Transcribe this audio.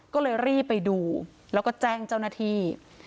ก็เลยรีบไปดูแล้วก็แจ้งเจ้าหน้าที่